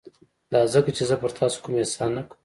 دا ځکه چې زه پر تاسو کوم احسان نه کوم.